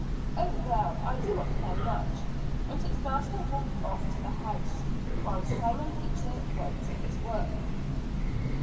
"Oh, well, I do not care much;" and his master walked off to the house, while Simon Peter went to his work.